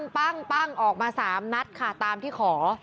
ปั้งออกมา๓นัดค่ะตามที่ขอ